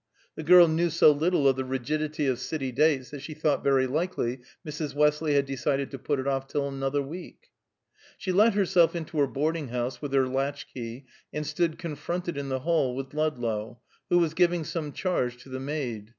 The girl knew so little of the rigidity of city dates that she thought very likely Mrs. Westley had decided to put it off till another week. She let herself into her boarding house with her latch key and stood confronted in the hall with Ludlow, who was giving some charge to the maid.